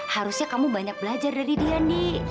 harusnya kamu banyak belajar dari dia nih